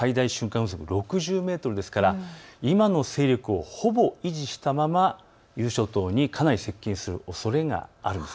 風速は６０メートルですから今の勢力をほぼ維持したまま伊豆諸島にかなり接近するおそれがあるんです。